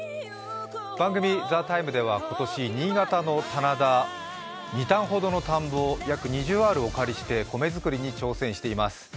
番組「ＴＨＥＴＩＭＥ，」では今年、新潟の棚田、２反ほどの棚田を約２０アールをお借りして米作りに挑戦しています。